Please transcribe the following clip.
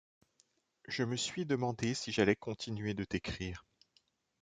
Je me suis demandé si j’allais continuer de t’écrire.